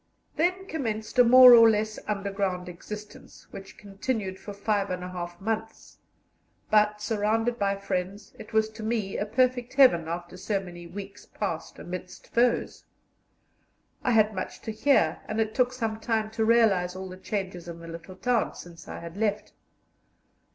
Then commenced a more or less underground existence, which continued for five and a half months; but, surrounded by friends, it was to me a perfect heaven after so many weeks passed amidst foes. I had much to hear, and it took some time to realize all the changes in the little town since I had left.